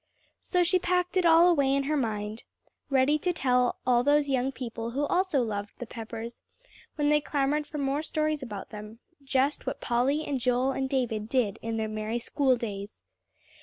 So she packed it all away in her mind, ready to tell to all those young people who also loved the Peppers, when they clamored for more stories about them just what Polly and Joel and David did in their merry school days.